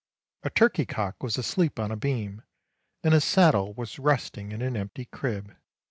A turkey cock was asleep on a beam, and a saddle was resting in an empty crib.